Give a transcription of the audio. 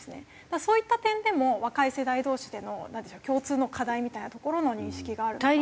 だからそういった点でも若い世代同士でのなんていうんでしょう共通の課題みたいなところの認識があるのかな。